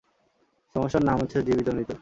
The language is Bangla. সমস্যার নাম হচ্ছে, জীবিত মৃত।